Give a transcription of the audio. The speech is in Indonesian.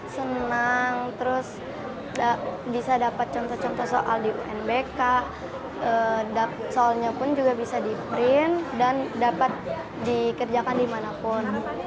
senang terus bisa dapat contoh contoh soal di unbk soalnya pun juga bisa di print dan dapat dikerjakan dimanapun